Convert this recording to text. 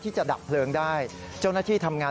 ที่จะดับเพลิงได้เจ้านาฏิทำงาน